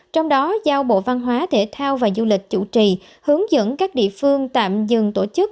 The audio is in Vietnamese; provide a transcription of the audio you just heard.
trong đó giao bộ văn hóa thể thao và du lịch chủ trì hướng dẫn các địa phương tạm dừng tổ chức